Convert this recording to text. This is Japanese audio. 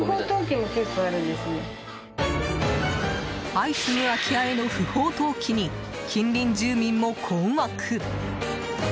相次ぐ空き家への不法投棄に近隣住民も困惑。